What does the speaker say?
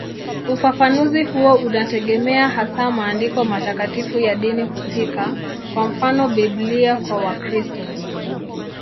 Ufafanuzi huo unategemea hasa maandiko matakatifu ya dini husika, kwa mfano Biblia kwa Wakristo.